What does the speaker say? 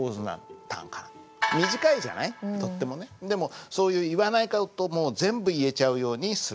でもそういう言わない事も全部言えちゃうようにする。